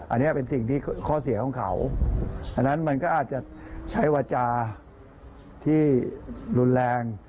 อันนี้เป็นสิ่งที่ข้อเสียของเขาอันนั้นมันก็อาจจะใช้วาจาที่รุนแรง